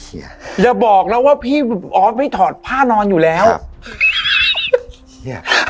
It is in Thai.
เฮียอย่าบอกแล้วว่าพี่ออฟไม่ถอดผ้านอนอยู่แล้วครับเฮีย